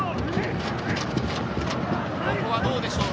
ここはどうでしょうか？